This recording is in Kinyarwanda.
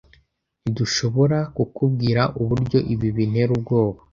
Ntidushoborakukubwira uburyo ibi bintera ubwoba.